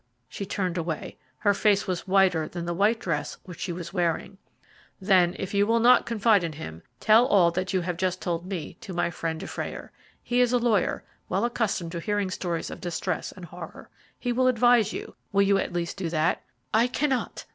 She turned away. Her face was whiter than the white dress which she was wearing. "Then if you will not confide in him, tell all that you have just told me to my friend Dufrayer. He is a lawyer, well accustomed to hearing stories of distress and horror. He will advise you. Will you at least do that?" "I cannot."